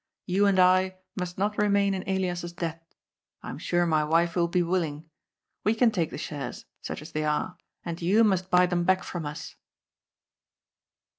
You and I must not remain in Elias's debt. I am sure my wife will be willing. We can take the shares, such as they are, and you must buy them back from us."